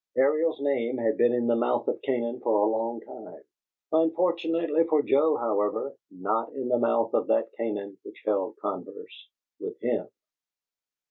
Ariel's name had been in the mouth of Canaan for a long time; unfortunately for Joe, however, not in the mouth of that Canaan which held converse with him.